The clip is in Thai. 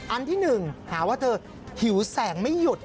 อันที่๑หาว่าเธอหิวแสงไม่หยุด